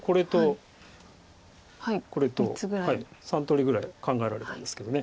３通りぐらい考えられたんですけど。